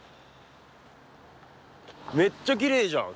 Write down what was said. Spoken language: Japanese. めっちゃきれいじゃん。